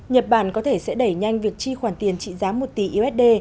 nhật bản có thể sẽ đẩy nhanh việc chi khoản tiền trị giá một tỷ usd